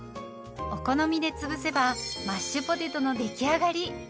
お好みで潰せばマッシュポテトの出来上がり。